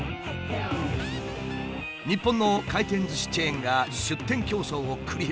日本の回転ずしチェーンが出店競争を繰り広げ